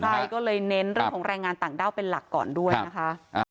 ใช่ก็เลยเน้นเรื่องของแรงงานต่างด้าวเป็นหลักก่อนด้วยนะคะ